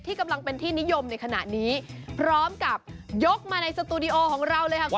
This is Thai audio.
กำลังเป็นที่นิยมในขณะนี้พร้อมกับยกมาในสตูดิโอของเราเลยค่ะคุณ